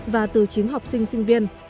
và từ chính học sinh sinh viên